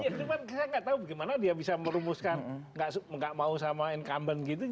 iya cuma saya nggak tahu bagaimana dia bisa merumuskan nggak mau sama incumbent gitu